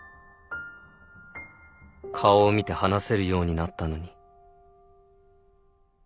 顔を見て話せるようになったのに